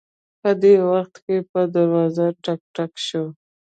په دې وخت کې په دروازه ټک ټک شو